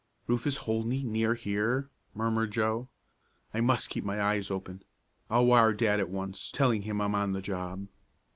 "Rufus Holdney near here," murmured Joe. "I must keep my eyes open. I'll wire dad at once, telling him I'm on the job."